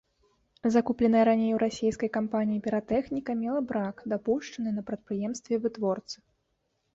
Закупленая раней у расійскай кампаніі піратэхніка мела брак, дапушчаны на прадпрыемстве-вытворцы.